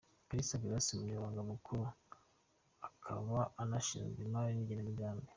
Kalisa Grace: Umunyamabanga mukuru akaba anashinzwe imari n’igenamigambi.